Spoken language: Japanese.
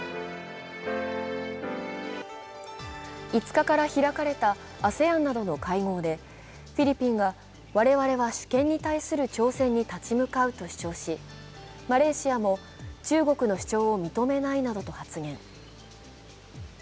５日から開かれたＡＳＥＡＮなどの会合でフィリピンが、我々は主権に対する挑戦に立ち向かうと主張しマレーシアも中国の主張を認めないなどと発言。